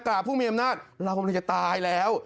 กล่าวผู้มีอำนาจเรามันเลยจะตายแล้ว